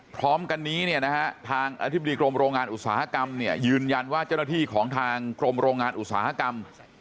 พร้อมกันนี้เนี่ยนะฮะทางอธิบดีกรมโรงงานอุตสาหกรรมเนี่ยยืนยันว่าเจ้าหน้าที่ของทางกรมโรงงานอุตสาหกรรม